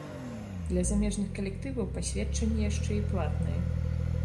Для замежных калектываў пасведчанне яшчэ і платнае.